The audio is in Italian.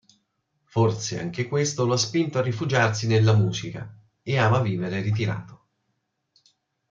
Forse anche questo lo ha spinto a rifugiarsi nella musica, e ama vivere ritirato.